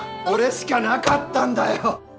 これしかなかったんだよ！